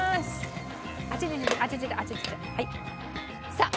さあ。